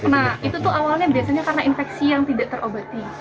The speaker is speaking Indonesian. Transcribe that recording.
nah itu tuh awalnya biasanya karena infeksi yang tidak terobati